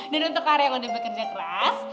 dan untuk hari yang sudah bekerja keras